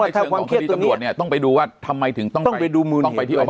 ทำไมถึงต้องไปที่ออบสตรก